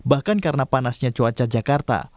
bahkan karena panasnya cuaca jakarta